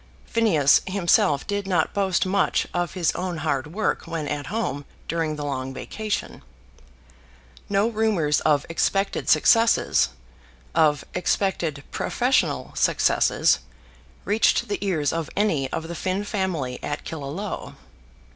Phineas himself did not boast much of his own hard work when at home during the long vacation. No rumours of expected successes, of expected professional successes, reached the ears of any of the Finn family at Killaloe.